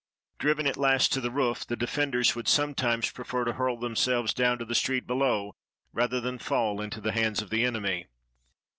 Driven at last to the roof, the defenders would sometimes pre fer to hurl themselves down to the street below rather than fall into the hands of the enemy.